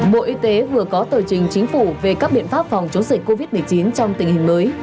bộ y tế vừa có tờ trình chính phủ về các biện pháp phòng chống dịch covid một mươi chín trong tình hình mới